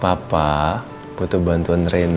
papa butuh bantuan rena sama mama disini